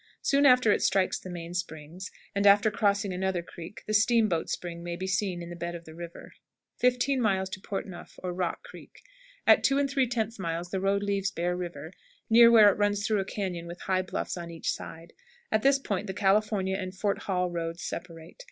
Soon after it strikes the main springs, and after crossing another creek the "Steam boat Spring" may be seen in the bed of the river. 15. "Port Neuf," or Rock Creek. At 2 3/10 miles the road leaves Bear River near where it runs through a cañon with high bluffs on each side. At this point the California and Fort Hall roads separate.